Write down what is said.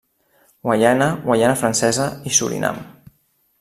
Guaiana, Guaiana Francesa i Surinam.